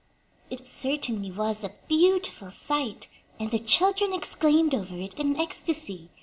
It certainly was a beautiful sight, and the children exclaimed over it in ectasy.